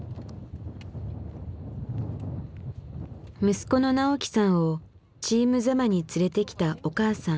息子の直樹さんをチーム座間に連れてきたお母さん。